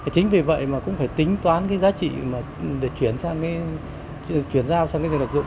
chính vì vậy mà cũng phải tính toán cái giá trị để chuyển sang cái rừng đặc dụng